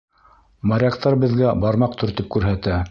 Моряктар беҙгә бармаҡ төртөп күрһәтә.